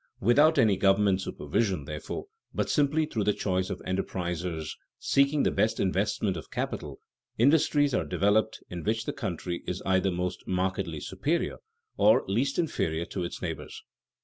Without any government supervision, therefore, but simply through the choice of enterprisers seeking the best investment of capital, industries are developed in which the country is either most markedly superior or least inferior to its neighbors.